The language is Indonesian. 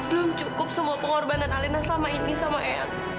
belum cukup semua pengorbanan alena selama ini sama ayang